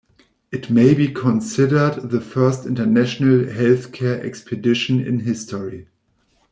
It may be considered the first international healthcare expedition in history.